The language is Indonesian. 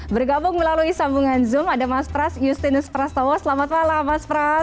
bergabung melalui sambungan zoom ada mas pras justinus prastowo selamat malam mas pras